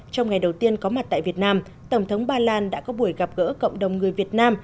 trong ngày đầu tiên có mặt tại việt nam tổng thống ba lan đã có buổi gặp gỡ cộng đồng người việt nam